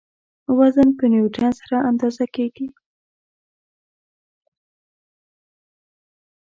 وزن په نیوټن سره اندازه کیږي.